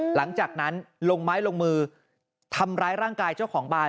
หลังจากนั้นลงไม้ลงมือทำร้ายร่างกายเจ้าของบาน